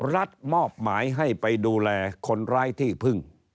มอบหมายให้ไปดูแลคนร้ายที่พึ่ง